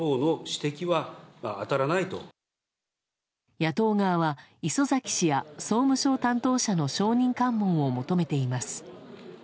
野党側は礒崎氏や総務省担当者の証人喚問を求めています。